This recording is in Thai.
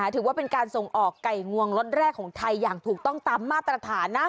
ถือว่าเป็นการส่งออกไก่งวงล็อตแรกของไทยอย่างถูกต้องตามมาตรฐานนะ